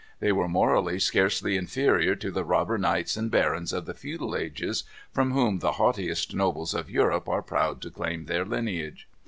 They were morally scarcely inferior to the robber knights and barons of the feudal ages, from whom the haughtiest nobles of Europe are proud to claim their lineage.